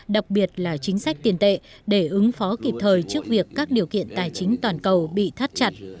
đặc biệt là chính sách tiền tệ để ứng phó kịp thời trước việc các điều kiện tài chính toàn cầu bị thắt chặt